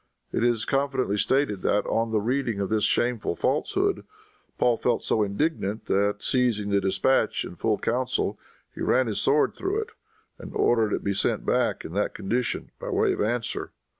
It is confidently stated that, on the reading of this shameful falsehood, Paul felt so indignant that, seizing the dispatch in full council, he ran his sword through it, and ordered it to be sent back, in that condition, by way of answer.